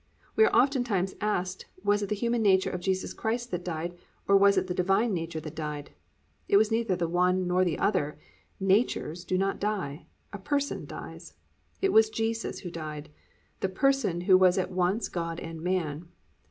We are oftentimes asked was it the human nature of Jesus Christ that died or was it the divine nature that died. It was neither the one nor the other, natures do not die, a person dies. It was Jesus who died, the Person who was at once God and man.